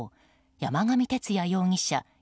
山上徹也容疑者